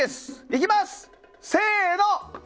いきます、せーの。